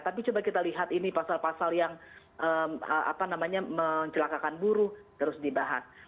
tapi coba kita lihat ini pasal pasal yang mencelakakan buruh terus dibahas